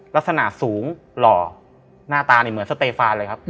ลักษณะสูงหล่อหน้าตานี่เหมือนสเตฟานเลยครับ